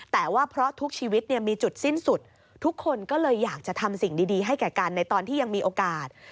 แต่ว่าเพราะทุกชีวิตมีจุดสิ้นสุดทุกคนก็เลยอยากจะทำสิ่งดีให้แก่กันในตอนที่ยังมีโอกาส